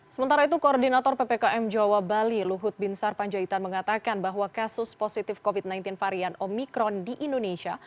sementara itu koordinator ppkm jawa bali luhut bin sarpanjaitan mengatakan bahwa kasus positif covid sembilan belas varian omikron di indonesia